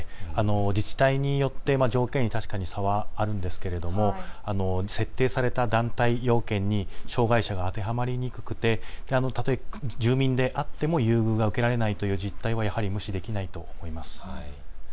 自治体によって条件に差はあるんですけれども設定された団体要件に障害者が当てはまりにくくてたとえ住民であっても優遇が受けられないという実態は無視できないと思います。